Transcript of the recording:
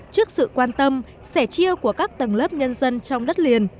trước sự quan tâm sẻ chia của các tầng lớp nhân dân trong đất liền